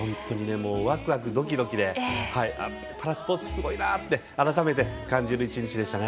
ワクワク、ドキドキでパラスポーツはすごいなって改めて感じる１日でしたね。